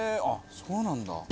あっそうなんだ。